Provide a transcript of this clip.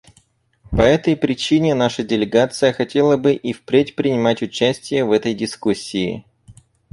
По этой причине наша делегация хотела бы и впредь принимать участие в этой дискуссии.